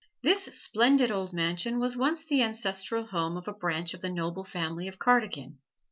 This splendid old mansion was once the ancestral home of a branch of the noble family of Cardigan.